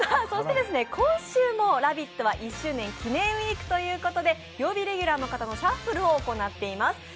そして今週も「ラヴィット！」は１周年記念ウィークということで曜日レギュラーの方のシャッフルを行っています。